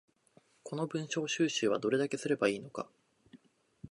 この文章収集はどれだけすれば良いのか